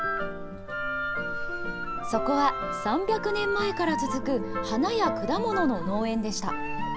そこは３００年前から続く、花や果物の農園でした。